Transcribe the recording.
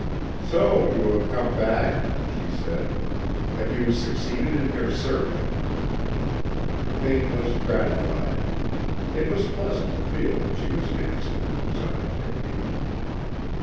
"So you have come back?" she said. "Have you succeeded in your search?" Vane was gratified. It was pleasant to feel that she was interested in his undertaking.